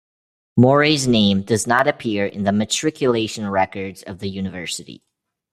Moray's name does not appear in the matriculation records of the university.